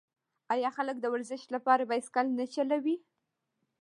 آیا خلک د ورزش لپاره بایسکل نه چلوي؟